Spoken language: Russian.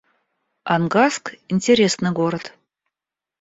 Ангарск — интересный город